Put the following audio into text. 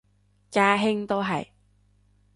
家兄都係